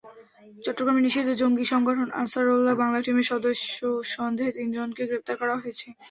চট্টগ্রামে নিষিদ্ধ জঙ্গি সংগঠন আনসারুল্লাহ বাংলা টিমের সদস্য সন্দেহে তিনজনকে গ্রেপ্তার করা হয়েছে।